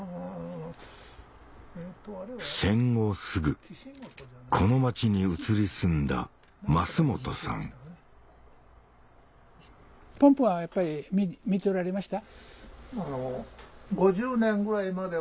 戦後すぐこの町に移り住んだポンプはやっぱり見ておられました？